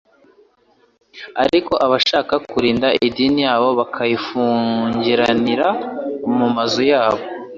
Ariko abashaka kurinda idini yabo bakayifungiranira mu mazu yabo,